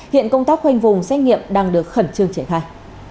hiện công tác khoanh vùng xét nghiệm đang được khẩn trương trẻ thai